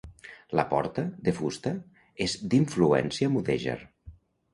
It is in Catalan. La porta, de fusta, és d'influència mudèjar.